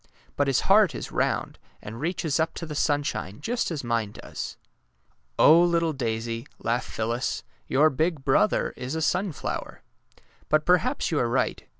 But his heart is round, and reaches up to the sunshine just as mine does." '' Oh, little daisy," laughed Phyllis, '' your ^ big brother ' is a sunflower. But perhaps you are right.